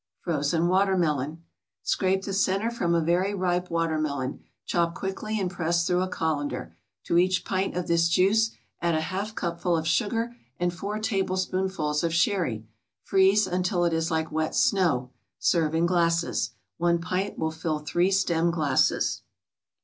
FROZEN WATERMELON Scrape the centre from a very ripe watermelon, chop quickly and press through a colander. To each pint of this juice, add a half cupful of sugar and four tablespoonfuls of sherry. Freeze until it is like wet snow. Serve in glasses. One pint will fill three stem glasses.